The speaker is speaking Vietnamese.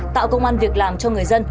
tạo công an việc làm cho người dân